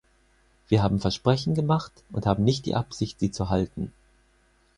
Wir haben Versprechen gemacht und haben nicht die Absicht, sie zu halten.